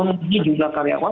ini juga karyawan